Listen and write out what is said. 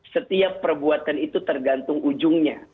setiap perbuatan itu tergantung ujungnya